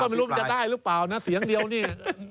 ไม่รู้มันจะได้หรือเปล่านะเสียงเดียวนี่